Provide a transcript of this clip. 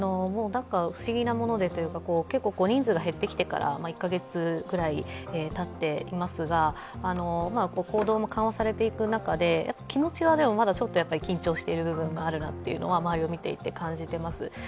結構人数が減ってきてから１カ月くらいたっていますが行動も緩和されていく中で、気持ちはちょっと緊張している部分があるなというのは周りを見ていて感じています。